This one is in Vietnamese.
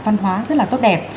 văn hóa rất là tốt đẹp